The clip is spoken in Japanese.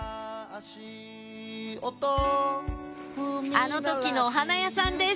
あの時のお花屋さんです